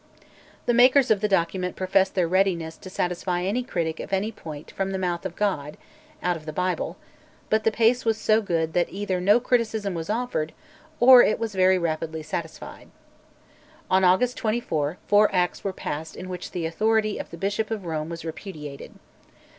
The makers of the document profess their readiness to satisfy any critic of any point "from the mouth of God" (out of the Bible), but the pace was so good that either no criticism was offered or it was very rapidly "satisfied." On August 24 four acts were passed in which the authority of "The Bishop of Rome" was repudiated.